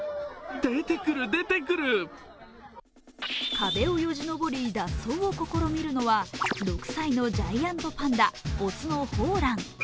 壁をよじ登り、脱走を試みるのは６歳のジャイアントパンダ雄の萌蘭。